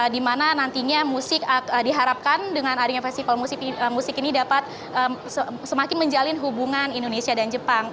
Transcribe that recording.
di mana nantinya musik diharapkan dengan adanya festival musik ini dapat semakin menjalin hubungan indonesia dan jepang